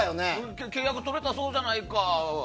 契約とれたそうじゃないかは